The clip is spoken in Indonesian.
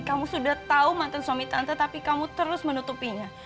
kamu sudah tahu mantan suami tante tapi kamu terus menutupinya